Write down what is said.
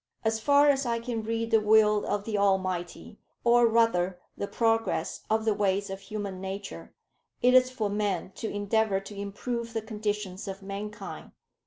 "As far as I can read the will of the Almighty, or rather the progress of the ways of human nature, it is for man to endeavour to improve the conditions of mankind.